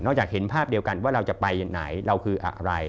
จากเห็นภาพเดียวกันว่าเราจะไปไหนเราคืออะไร